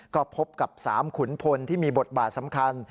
ก็พบกับ๓ขุนพลที่มีบทบาทสำคัญ